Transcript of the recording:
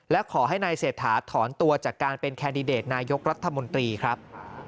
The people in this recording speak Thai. และขอให้นายเศรษฐาถอนตัวจากการเป็นแคนดิเดตนายกรัฐมนตรีครับ